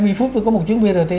mươi phút thôi có một tuyến brt